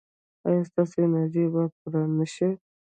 ایا ستاسو انرژي به پوره نه شي؟